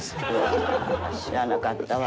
知らなかったわ。